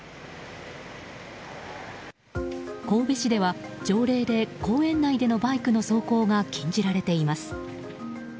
神戸市では条例で公園内でのバイクの走行が禁じられています。